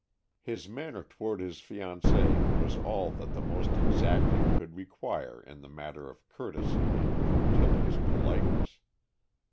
His manner toward his fiancée was all that the most exacting could require in the matter of courtesy and punctilious politeness.